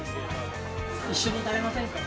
一緒に食べませんか。